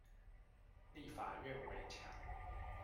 立法院圍牆